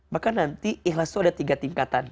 maka nanti ikhlas itu ada tiga tingkatan